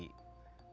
belajarlah dengan hati